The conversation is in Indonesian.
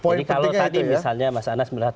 jadi kalau tadi misalnya mas anas melihat